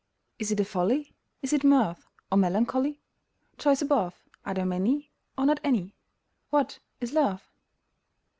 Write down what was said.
Is it a folly, Is it mirth, or melancholy? Joys above, Are there many, or not any? What is Love?